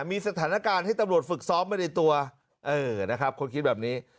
มีสถานการณ์ให้ตำรวจฝึกซ้อมมาในตัวเออนะครับคนคิดแบบนี้